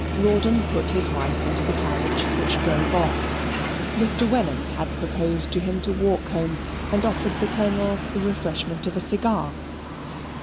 Rawdon put his wife into the carriage, which drove off. Mr. Wenham had proposed to him to walk home, and offered the Colonel the refreshment of a cigar.